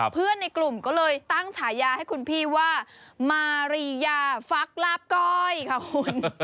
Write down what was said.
เพื่อนในกลุ่มก็เลยตั้งฉายาให้คุณพี่ว่ามารียาฟักลาบก้อยค่ะคุณ